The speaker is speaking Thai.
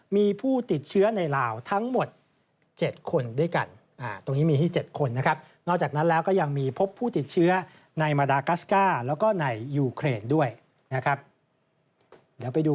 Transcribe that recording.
มีผู้ติดเชื้อในลาวทั้งหมดเจ็ดคนด้วยกัน